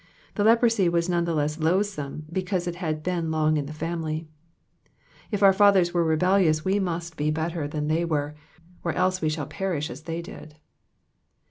The leprosy was none the less loathsome because it had been long in the family. If oar fathers were rebellious we must be better than they were, or else we shall perish as they did.